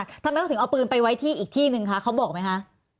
ทำไมเขาถึงเอาปืนไปไว้ที่อีกที่นึงคะเขาบอกไหมคะ